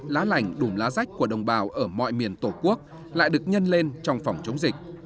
lá lành đùm lá rách của đồng bào ở mọi miền tổ quốc lại được nhân lên trong phòng chống dịch